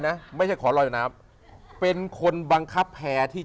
ถ้ามันไม่ติด